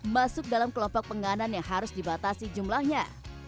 masuk dalam kelompok penganan yang harus dibatasi jumlahnya